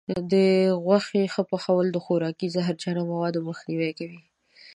د غوښې ښه پخول د خوراکي زهرجنو موادو مخنیوی کوي.